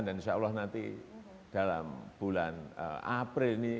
dan insya allah nanti dalam bulan april ini